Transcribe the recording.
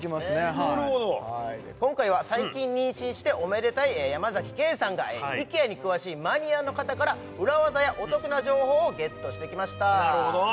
はい今回は最近妊娠しておめでたい山ケイさんがイケアに詳しいマニアの方から裏技やお得な情報をゲットしてきましたなるほど！